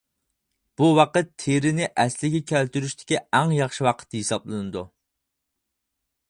بۇ ۋاقىت تېرىنى ئەسلىگە كەلتۈرۈشتىكى ئەڭ ياخشى ۋاقىت ھېسابلىنىدۇ.